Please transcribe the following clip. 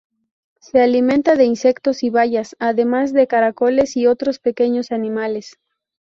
Se alimenta de insectos y bayas, además de caracoles y otros pequeños animales.